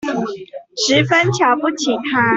十分瞧不起他